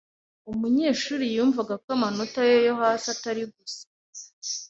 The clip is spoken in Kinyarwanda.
Umunyeshuri yumvaga ko amanota ye yo hasi atari gusa.